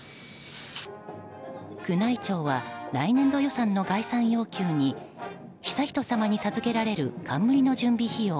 宮内庁は来年度予算の概算要求に悠仁さまに授けられる冠の準備費用